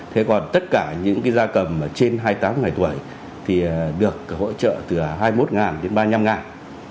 thế còn tất cả những cái gia cầm trên hai mươi tám ngày tuổi thì được hỗ trợ từ hai mươi một đến ba mươi năm